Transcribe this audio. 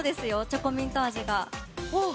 チョコミント味が。